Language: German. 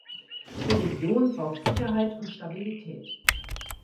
Die Region braucht Sicherheit und Stabilität.